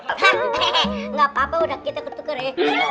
eh gak apa apa udah kita ketukar ya